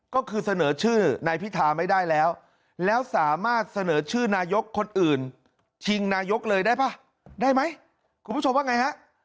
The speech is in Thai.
ก็คือเสนอชื่อนายพิธาไม่ได้แล้วแล้วสามารถเสนอชื่อนายกคนอื่นชิงนายกเลยได้ป่ะได้ไหมคุณผู้ชมว่าไงฮะ